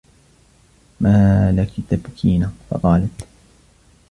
مَا لَك تَبْكِينَ ؟ فَقَالَتْ